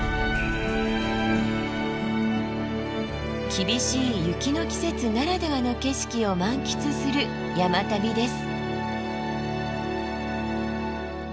厳しい雪の季節ならではの景色を満喫する山旅です。